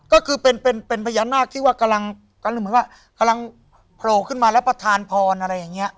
ก็คือเป็นพญานาคที่กำลังโผล่ขึ้นมาแล้วประทานพรอะไรอย่างนี้